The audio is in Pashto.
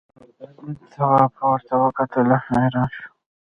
تواب پورته وکتل او حیران شو.